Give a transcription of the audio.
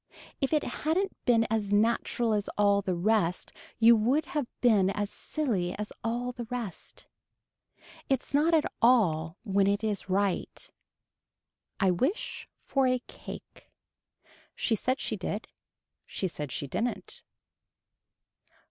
If it hadn't been as natural as all the rest you would have been as silly as all the rest. It's not at all when it is right. I wish for a cake. She said she did. She said she didn't.